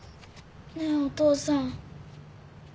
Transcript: ねえお父さん。